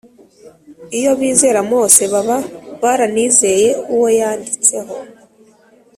. Iyo bizera Mose baba baranizeye uwo yanditseho.